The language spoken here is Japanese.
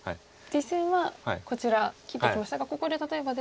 実戦はこちら切ってきましたがここで例えば出て。